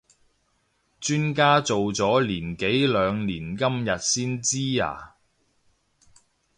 磚家做咗年幾兩年今日先知呀？